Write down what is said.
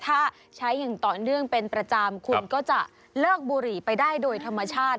ถ้าใช้อย่างต่อเนื่องเป็นประจำคุณก็จะเลิกบุหรี่ไปได้โดยธรรมชาติ